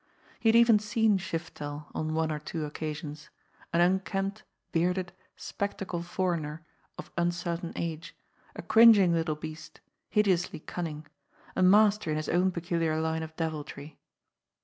He had even seen Shiftel on one or two occasions an unkempt, bearded, spectacled foreigner of uncertain age, a cringing little beast, hideously cunning, a master in his own peculiar line of deviltry.